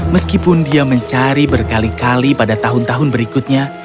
meskipun dia mencari berkali kali pada tahun tahun berikutnya